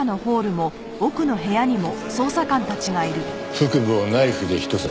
腹部をナイフで一刺し。